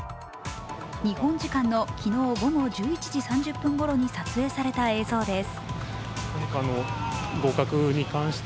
日本時間の昨日午後１１時３０分ごろに撮影された映像です。